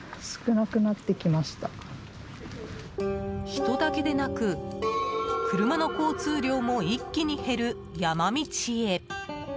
人だけでなく車の交通量も一気に減る山道へ。